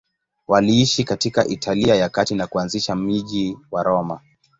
Waliishi katika Italia ya Kati na kuanzisha mji wa Roma.